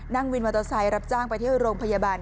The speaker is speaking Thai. วินมอเตอร์ไซค์รับจ้างไปที่โรงพยาบาล